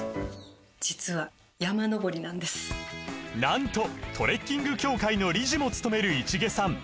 実はなんとトレッキング協会の理事もつとめる市毛さん